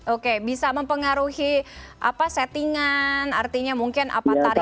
oke bisa mempengaruhi apa settingan artinya mungkin apa tarikan motor